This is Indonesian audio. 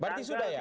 berarti sudah ya